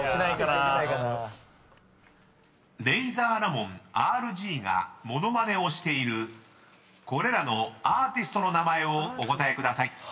［レイザーラモンＲＧが物まねをしているこれらのアーティストの名前をお答えください］